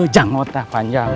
jangot nah panjang